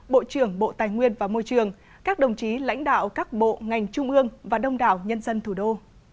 bộ trưởng bộ tài nguyên và môi trường các đồng chí lãnh đạo các bộ ngành trung ương và đông đảo nhân dân thủ đô